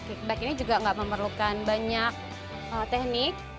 kickback ini juga enggak memerlukan banyak teknik